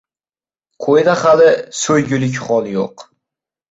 Qo‘yda hali so‘ygulik hol yo‘q.